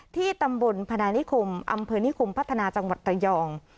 ที่ตำบลพนานิคมอำเภอนิคมพัฒนาจังหวัดระยอง